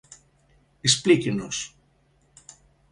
Explíquenos.